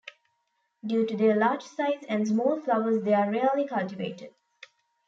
Due to their large size and small flowers, they are rarely cultivated.